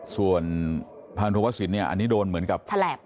ส่วนพันธุวสินเนี่ยอันนี้โดนเหมือนกับฉลับ